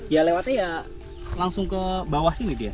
ya lewatnya ya langsung ke bawah sini dia